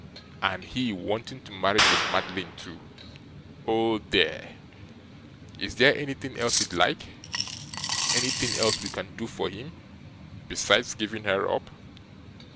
And HE wanting to marry Miss Madeline too! Oh dear! Is there anything else he'd like? Anything else we can do for him, besides giving her up?